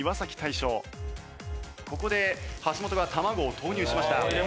ここで橋本が卵を投入しました。